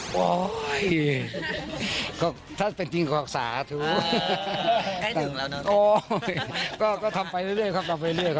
ก็ก็ทำไปเรื่อยเรื่อยทำกับกาไฟเรื่อยครับก็ทำไปเรื่อยเรื่อยกับกาไฟเรื่อยครับ